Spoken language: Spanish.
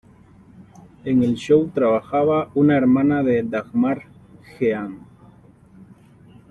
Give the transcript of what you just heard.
En el show trabajaba una hermana de Dagmar, Jean.